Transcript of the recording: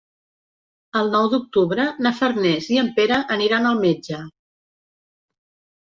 El nou d'octubre na Farners i en Pere aniran al metge.